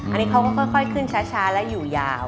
อันนี้เขาก็ค่อยขึ้นช้าและอยู่ยาว